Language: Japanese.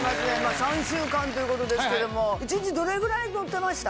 ３週間ということですけども一日どれぐらい乗ってました？